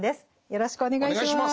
よろしくお願いします。